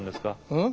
うん？